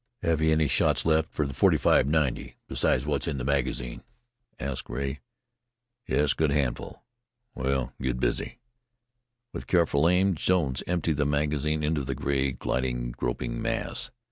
"Have you any shots left for the 45 90, besides what's in the magazine?" asked Rea. "Yes, a good handful." "Well, get busy." With careful aim Jones emptied the magazine into the gray, gliding, groping mass.